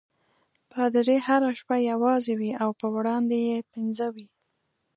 پادري هره شپه یوازې وي او په وړاندې یې پنځه وي.